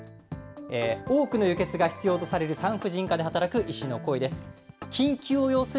多くの輸血が必要とされる産婦人科で働く医師の声です。